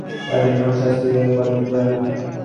পার্থিব কোন শক্তিই ইহাকে বাধা দিতে পারে না।